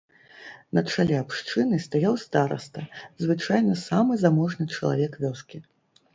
На чале абшчыны стаяў стараста, звычайна самы заможны чалавек вёскі.